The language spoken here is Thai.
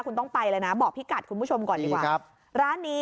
คุณต้องไปเลยนะบอกพี่กัดคุณผู้ชมก่อนดีกว่า